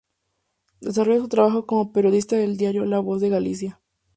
Desarrolla su trabajo como periodista en el diario "La Voz de Galicia".